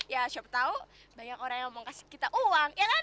ya siapa tau banyak orang yang mau kasih kita uang ya kan